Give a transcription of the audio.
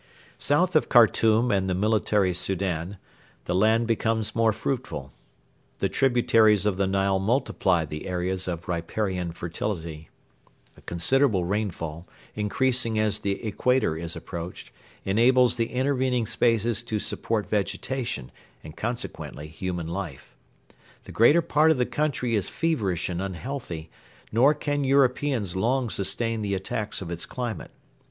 South of Khartoum and of 'The Military Soudan' the land becomes more fruitful. The tributaries of the Nile multiply the areas of riparian fertility. A considerable rainfall, increasing as the Equator is approached, enables the intervening spaces to support vegetation and consequently human life. The greater part of the country is feverish and unhealthy, nor can Europeans long sustain the attacks of its climate.